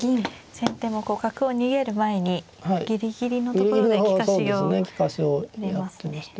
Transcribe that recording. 先手もこう角を逃げる前にギリギリのところで利かしを入れますね。